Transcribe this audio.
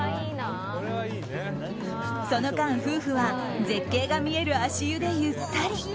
その間、夫婦は絶景が見える足湯でゆったり。